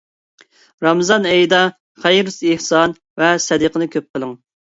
رامىزان ئېيىدا خەير-ئېھسان ۋە سەدىقىنى كۆپ قىلىڭ.